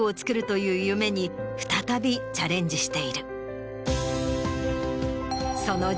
という夢に再びチャレンジしている。